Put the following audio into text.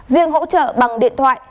riêng hỗ trợ bằng điện thoại